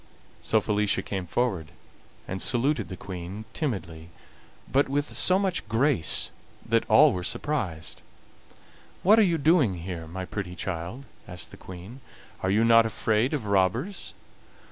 So Felicia came forward and saluted the Queen timidly, but with so much grace that all were surprised. "What are you doing here, my pretty child?" asked the Queen. "Are you not afraid of robbers?"